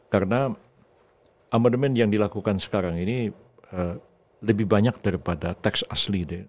karena amendement yang dilakukan sekarang ini lebih banyak daripada teks asli deh